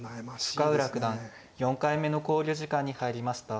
深浦九段４回目の考慮時間に入りました。